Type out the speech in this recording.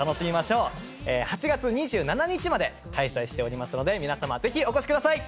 ８月２７日まで開催しておりますので皆様ぜひお越しください！